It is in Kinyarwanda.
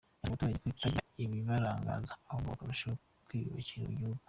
Yanasabye abaturage kutagira ibibarangaza ahubwo bakarushaho kwiyubakira igihugu.